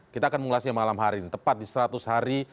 kita akan mengulasnya malam hari ini tepat di seratus hari